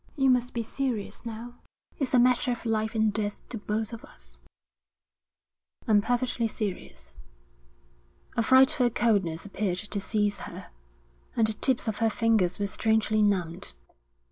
You must be serious now. It's a matter of life and death to both of us.' 'I'm perfectly serious.' A frightful coldness appeared to seize her, and the tips of her fingers were strangely numbed.